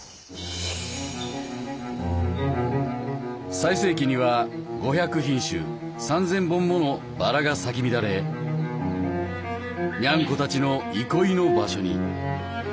最盛期には５００品種３，０００本ものバラが咲き乱れニャンコたちの憩いの場所に。